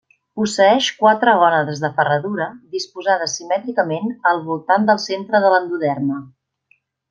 Posseeix quatre gònades de ferradura disposades simètricament al voltant del centre de l'endoderma.